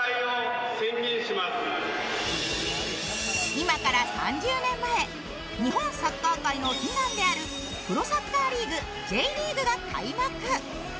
今から３０年前、日本サッカー界の悲願であるプロサッカーリーグ、Ｊリーグが開幕。